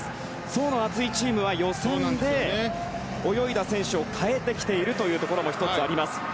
層の厚いチームは予選で泳いだ選手を変えてきているというのも１つあります。